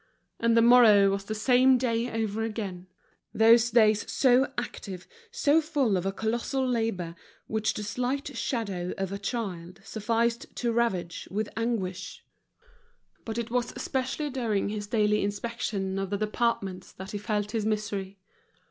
And the morrow was the same day over again, those days so active, so full of a colossal labor, which the slight shadow of a child sufficed to ravage with anguish. But it was especially during his daily inspection of the departments that he felt his misery.